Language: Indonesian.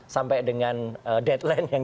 sampai dengan deadline yang